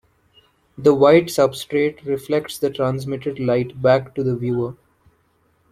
The white substrate reflects the transmitted light back to the viewer.